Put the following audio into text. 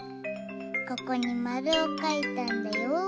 ここにまるをかいたんだよ。